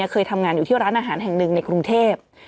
เคยทำงานอยู่ที่ร้านอาหารแห่งหนึ่งในกรุงเทพ